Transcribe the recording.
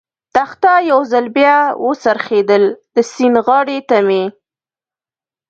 تخته یو ځل بیا و څرخېدل، د سیند غاړې ته مې.